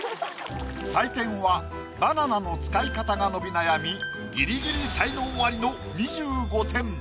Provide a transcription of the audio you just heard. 採点はバナナの使い方が伸び悩みギリギリ才能アリの２５点。